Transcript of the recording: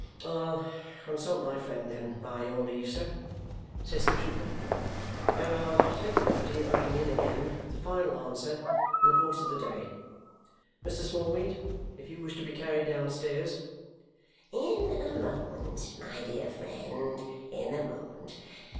"I'll consult my friend, then, by your leave, sir," says the trooper, "and I'll take the liberty of looking in again with the final answer in the course of the day. Mr. Smallweed, if you wish to be carried downstairs " "In a moment, my dear friend, in a moment.